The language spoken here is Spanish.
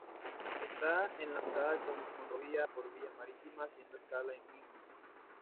Está enlazada con Monrovia por vía marítima haciendo escala en Greenville.